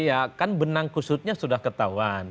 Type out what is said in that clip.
iya kan benang kusutnya sudah ketahuan